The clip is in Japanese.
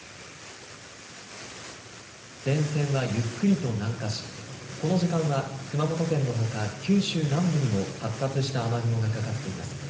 前線はゆっくりと南下しこの時間は熊本県のほか九州南部にも発達した雨雲がかかっています。